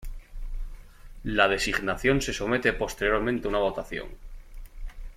La designación se somete posteriormente a una votación.